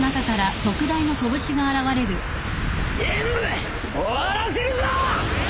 全部終わらせるぞ！